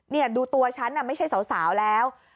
นี่ดูตัวฉันน่ะไม่ใช่สาวแล้ว